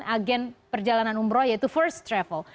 agen perjalanan umroh yaitu first travel